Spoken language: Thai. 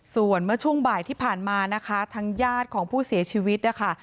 ส่วนเมื่อช่วงบ่ายที่ผ่านมานะคะทางญาติของผู้เสียชีวิตนะคะ